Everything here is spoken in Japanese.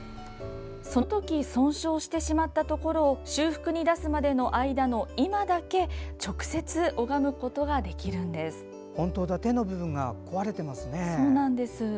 そのとき損傷してしまったところを修復に出すまでの間の今だけ直接、拝むことができるんです。